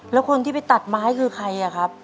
แล้วคนที่ไปตัดไม้คือใครอะครับ